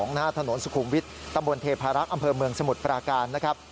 หน้าถนนสุขุมวิทย์ตำบลเทพารักษ์อำเภอเมืองสมุทรปราการนะครับ